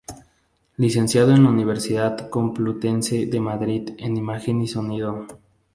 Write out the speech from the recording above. Licenciado en la Universidad Complutense de Madrid en Imagen y Sonido.